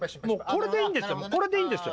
これでいいんですよ。